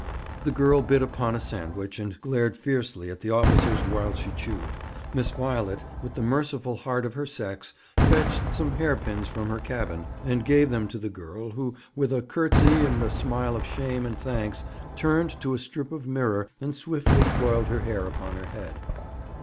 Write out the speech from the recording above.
The girl bit upon a sandwich, and glared fiercely at the officers while she chewed. Miss Violet, with the merciful heart of her sex, fetched some hairpins from her cabin, and gave them to the girl, who, with a curtsey, and a smile of shame and thanks, turned to a strip of mirror and swiftly coiled her hair upon her head.